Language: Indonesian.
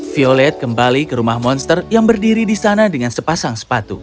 violet kembali ke rumah monster yang berdiri di sana dengan sepasang sepatu